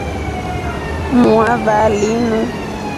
Muu wa vaa linu.